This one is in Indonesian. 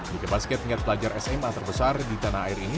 liga basket tingkat pelajar sma terbesar di tanah air ini